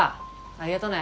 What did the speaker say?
ありがとね。